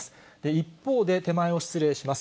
一方で、手前を失礼します。